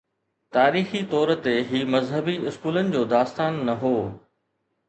تاريخي طور تي، هي مذهبي اسڪولن جو داستان نه هو.